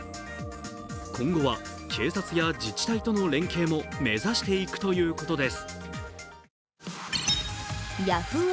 今後は警察や自治体との連携も目指していくということです。